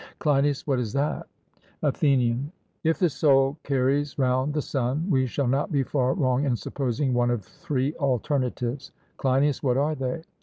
CLEINIAS: What is that? ATHENIAN: If the soul carries round the sun, we shall not be far wrong in supposing one of three alternatives. CLEINIAS: What are they?